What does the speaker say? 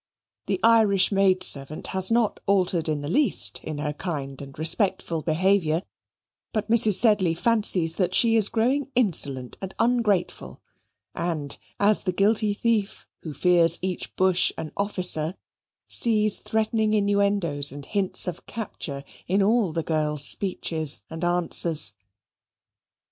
The Irish maidservant has not altered in the least in her kind and respectful behaviour; but Mrs. Sedley fancies that she is growing insolent and ungrateful, and, as the guilty thief who fears each bush an officer, sees threatening innuendoes and hints of capture in all the girl's speeches and answers.